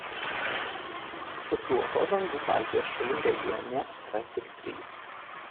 Tokių atodangų Baltijos šalių regione yra tik trys.